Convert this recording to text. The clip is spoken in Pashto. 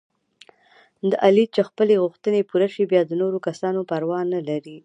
د علي چې خپلې غوښتنې پوره شي، بیا د نورو کسانو پروا نه لري.